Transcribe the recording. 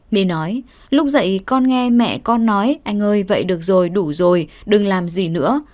mê nói lúc dạy con nghe mẹ con nói anh ơi vậy được rồi đủ rồi đừng làm gì nữa